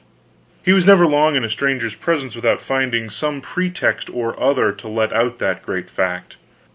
He was never long in a stranger's presence without finding some pretext or other to let out that great fact.